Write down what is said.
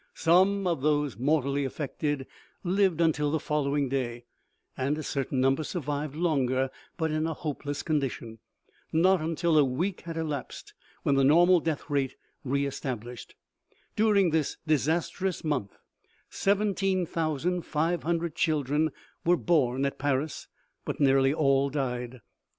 Some of those mortally effected lived until the following day, and a certain number survived longer, but in a hopeless condition. Not until a week had elapsed was the normal death rate re established. Dur ing this disastrous month 17,500 children were born at Paris, but nearly all died.